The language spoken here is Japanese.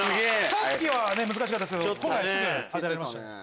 さっきは難しかったんすけど今回すぐ当てられましたね。